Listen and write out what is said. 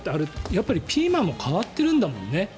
あれ、ピーマンも変わってるんだもんね。